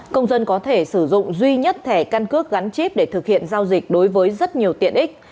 công dân có thể sử dụng duy nhất thẻ căn cước gắn chip để thực hiện giao dịch đối với rất nhiều tiện ích